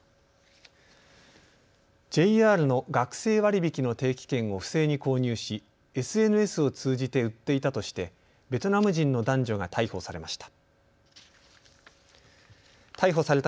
ＪＲの学生割引の定期券を不正に購入しＳＮＳを通じて売っていたとしてベトナム人の男女が逮捕されました。